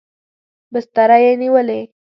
بستره یې نیولې.